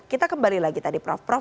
kita kembali lagi tadi prof prof